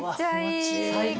最高。